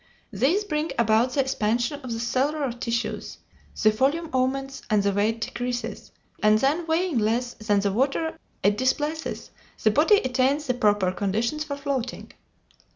These bring about the expansion of the cellular tissues, the volume augments and the weight decreases, and then, weighing less than the water it displaces, the body attains the proper conditions for floating.